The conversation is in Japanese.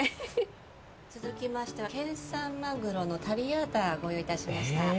続きましては県産マグロのタリアータご用意いたしました。